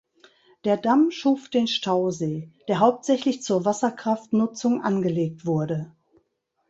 Der Damm schuf den Stausee, der hauptsächlich zur Wasserkraftnutzung angelegt wurde.